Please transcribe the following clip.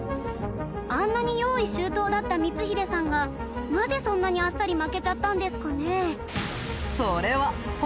あんなに用意周到だった光秀さんがなぜそんなにあっさり負けちゃったんですかね？